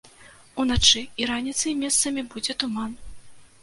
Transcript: Уначы і раніцай месцамі будзе туман.